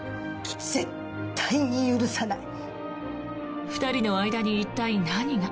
絶対に許さない。